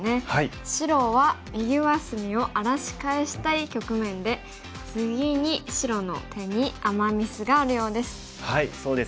白は右上隅を荒らし返したい局面で次に白の手にアマ・ミスがあるようです。